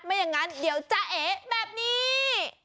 ไม่อย่างนั้นเดี๋ยวจะเอแบบนี้